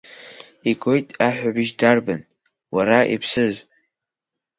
Игоит аҳәҳәабжь дарбан, уара, иԥсыз?